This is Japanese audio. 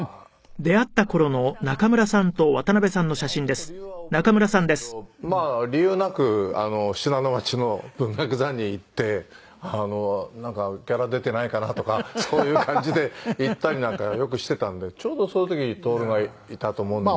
ちょっと理由は覚えてないんですけどまあ理由なく信濃町の文学座に行ってあのなんかギャラ出てないかな？とかそういう感じで行ったりなんかはよくしてたのでちょうどその時に徹がいたと思うので。